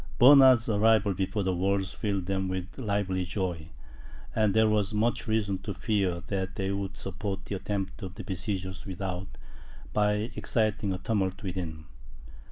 Bernard's arrival before the walls filled them with lively joy; and there was much reason to fear that they would support the attempts of the besiegers without, by exciting a tumult within.